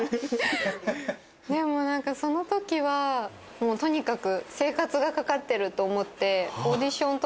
でも何かそのときはとにかく。